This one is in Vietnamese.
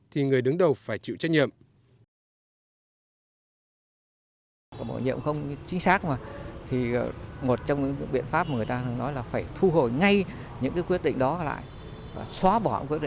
thì người đứng đầu phải chịu trách nhiệm